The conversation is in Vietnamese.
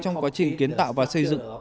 trong quá trình kiến tạo và xây dựng